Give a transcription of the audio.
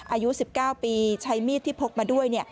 อายุ๑๙ปีใช้มีดที่พกมาด้วย